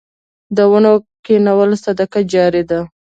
د ونو کینول صدقه جاریه ده